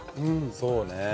そうね。